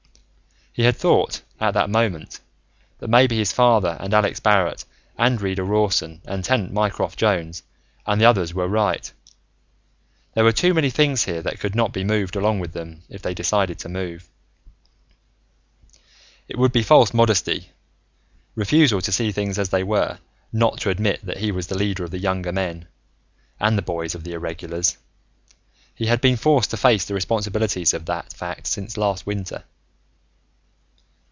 He had thought, at that moment, that maybe his father and Alex Barrett and Reader Rawson and Tenant Mycroft Jones and the others were right: there were too many things here that could not be moved along with them, if they decided to move. It would be false modesty, refusal to see things as they were, not to admit that he was the leader of the younger men, and the boys of the Irregulars. He had been forced to face the responsibilities of that fact since last winter.